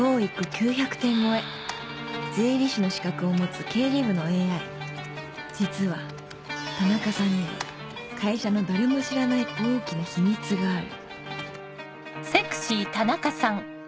９００点超え税理士の資格を持つ経理部の ＡＩ 実は田中さんには会社の誰も知らない大きな秘密がある